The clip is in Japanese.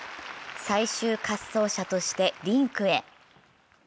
最終滑走者としてリンクへ。